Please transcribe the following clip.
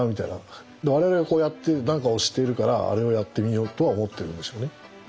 我々がこうやって何か押しているからあれをやってみようとは思ってるんでしょうね。